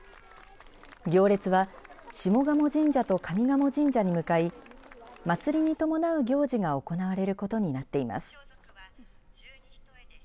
行列は下鴨神社と上賀茂神社に向かい祭りに伴う行事が行われることになっています。